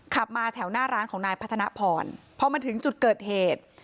ขับมาแถวหน้าร้านของนายพัฒนพรพอมาถึงจุดเกิดเหตุ